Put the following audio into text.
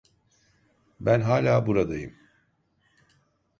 Ben hala buradayım.